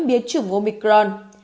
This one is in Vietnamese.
biến chủng omicron